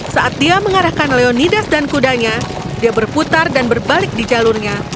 saat dia mengarahkan leonidas dan kudanya dia berputar dan berbalik di jalurnya